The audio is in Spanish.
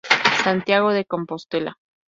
Santiago de Compostela.